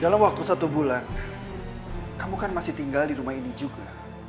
dalam waktu satu bulan kamu kan masih tinggal di rumah ini juga